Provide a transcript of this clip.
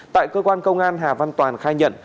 tại cơ quan công an hà văn toàn khai nhận